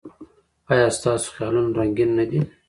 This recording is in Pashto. ایا ستاسو خیالونه رنګین نه دي؟